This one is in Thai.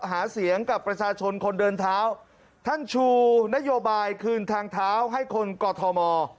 หาเสียงกับประชาชนคนเดินเท้าท่านชูนโยบายคืนทางเท้าให้คนกอทม